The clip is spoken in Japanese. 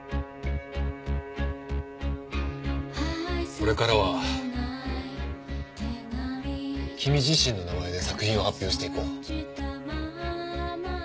これからは君自身の名前で作品を発表していこう。